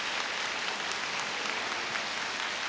はい。